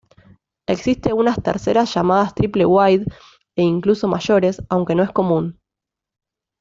Existen unas terceras llamadas "triple wide" e incluso mayores, aunque no es común.